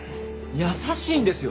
優しいんですよ！